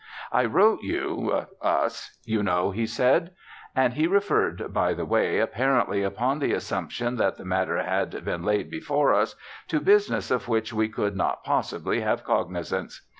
"I wrote you" (us), "you know," he said. And he referred by the way, apparently upon the assumption that the matter had been laid before us, to business of which we could not possibly have cognizance.